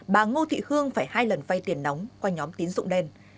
bà ngô thị hương phải hai lần vay tiền nóng qua nhóm tín dụng đen